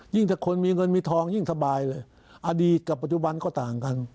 ถ้าคนมีเงินมีทองยิ่งสบายเลยอดีตกับปัจจุบันก็ต่างกัน